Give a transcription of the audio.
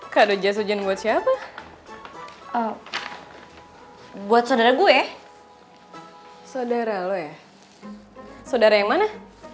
kadu jasujen buat siapa oh buat saudara gue saudara loe saudara yang mana